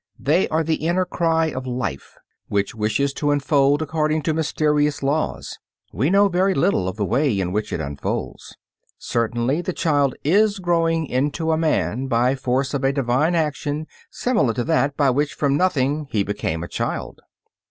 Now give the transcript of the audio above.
They are the inner cry of life, which wishes to unfold according to mysterious laws. We know very little of the way in which it unfolds. Certainly the child is growing into a man by force of a divine action similar to that by which from nothing he became a child.